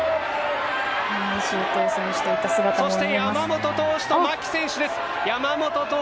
そして山本投手と牧選手です。